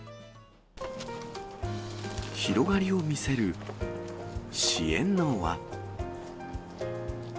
広がりを見せる支援の輪。